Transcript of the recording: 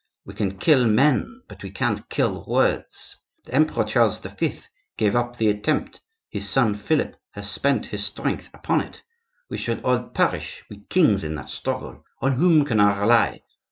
"We can kill men, but we can't kill words! The Emperor Charles V. gave up the attempt; his son Philip has spent his strength upon it; we shall all perish, we kings, in that struggle. On whom can I rely?